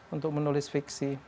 untuk menulis fiksi